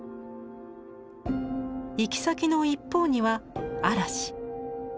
行き先の一方には嵐。